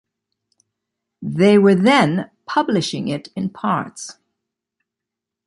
They were then publishing it in parts.